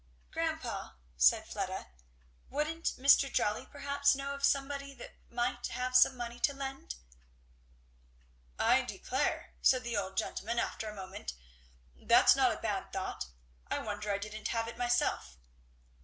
"Grandpa," said Fleda, "wouldn't Mr. Jolly perhaps know of somebody that might have some money to lend?" "I declare!" said the old gentleman after a moment, "that's not a bad thought. I wonder I didn't have it myself."